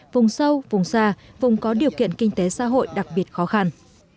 vùng sâu vùng xa vùng có điều kiện kinh tế xã hội đặc biệt khó khăn